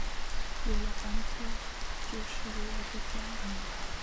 有了房子就是有一个家